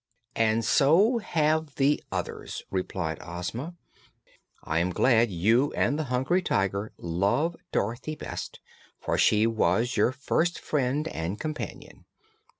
"And so have the others," replied Ozma. "I am glad you and the Hungry Tiger love Dorothy best, for she was your first friend and companion.